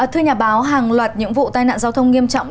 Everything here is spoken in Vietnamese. thưa nhà báo hàng loạt những vụ tai nạn giao thông nghiêm trọng